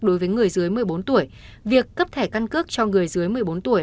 đối với người dưới một mươi bốn tuổi việc cấp thẻ căn cước cho người dưới một mươi bốn tuổi